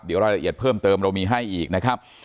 เดี๋ยวรายละเอียดเพิ่มเติมเรามีให้อีกนะครับ